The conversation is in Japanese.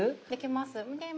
できます。